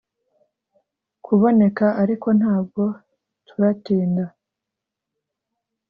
kuboneka ariko ntabwo turatinda”